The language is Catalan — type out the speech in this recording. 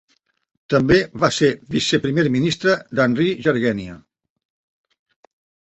També va ser viceprimer ministre d'Anri Jergenia.